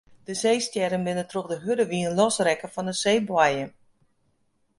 De seestjerren binne troch de hurde wyn losrekke fan de seeboaiem.